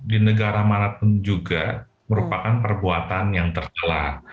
di negara manapun juga merupakan perbuatan yang tersalah